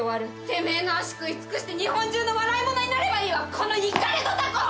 てめぇの脚食い尽くして日本中の笑いものになればいいわこのイカれドタコ！